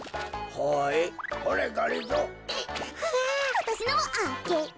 わたしのもあげる。